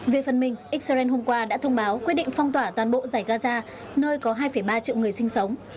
về phần mình israel hôm qua đã thông báo quyết định phong tỏa toàn bộ giải gaza nơi có hai ba triệu người sinh sống